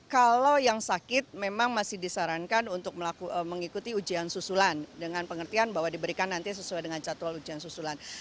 kalau yang sakit memang masih disarankan untuk mengikuti ujian susulan dengan pengertian bahwa diberikan nanti sesuai dengan jadwal ujian susulan